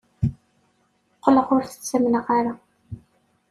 Qqleɣ ur t-ttamneɣ ara.